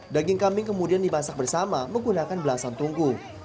daging kambing kemudian dibasak bersama menggunakan belasan tunggu